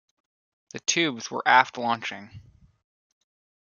The tubes were aft-launching.